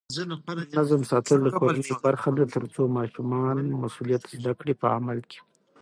نظم ساتل د کورنۍ برخه ده ترڅو ماشومان مسؤلیت زده کړي په عمل کې.